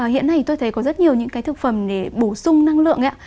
hiện nay tôi thấy có rất nhiều những cái thực phẩm để bổ sung năng lượng ấy ạ